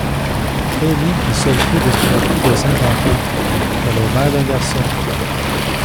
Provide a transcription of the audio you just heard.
Aînée et seule fille d’une fratrie de cinq enfants, elle est mère d’un garçon.